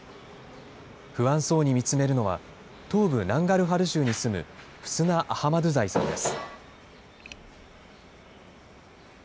不安そうに見つめるのは、東部ナンガルハル州に住むフスナ・アハマドゥザイさんです。